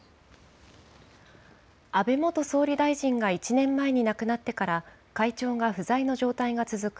安倍元総理大臣が１年前に亡くなってから、会長が不在の状態が続く